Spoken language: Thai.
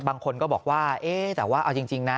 บางคนก็บอกว่าเอ๊ะแต่ว่าเอาจริงนะ